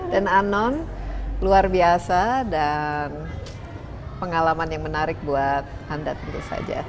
dan anon luar biasa dan pengalaman yang menarik buat anda tentu saja